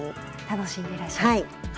楽しんでいらっしゃる。